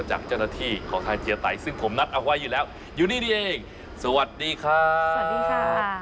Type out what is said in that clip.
จากเจ้าหน้าที่ของทางเจียไตซึ่งผมนัดเอาไว้อยู่แล้วอยู่นี่นี่เองสวัสดีครับสวัสดีครับ